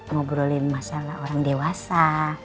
ngobrolin masalah orang dewasa